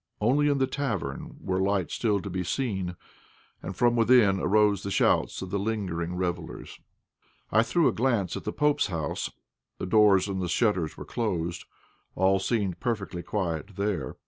Only in the tavern were lights still to be seen, and from within arose the shouts of the lingering revellers. I threw a glance at the pope's house. The doors and the shutters were closed; all seemed perfectly quiet there.